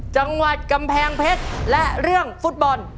จังหวัดกำแพงเพชรและเรื่องฟุตบอล